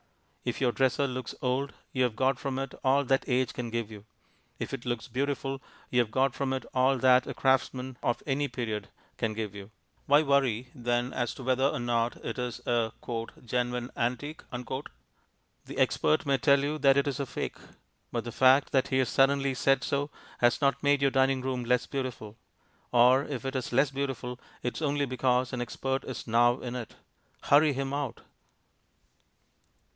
If your dresser looks old you have got from it all that age can give you; if it looks beautiful you have got from it all that a craftsman of any period can give you; why worry, then, as to whether or not it is a "genuine antique"? The expert may tell you that it is a fake, but the fact that he has suddenly said so has not made your dining room less beautiful. Or if it is less beautiful, it is only because an "expert" is now in it. Hurry him out.